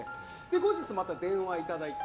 後日また電話をいただいて。